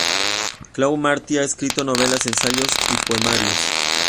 Claudi Martí ha escrito novelas, ensayos y poemarios.